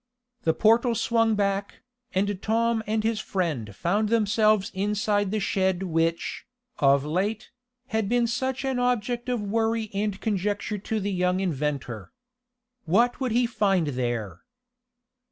The portal swung back, and Tom and his friend found themselves inside the shed which, of late, had been such an object of worry and conjecture to the young inventor. What would he find there?